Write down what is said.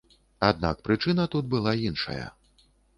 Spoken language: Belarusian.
Аднак прычына тут была іншая.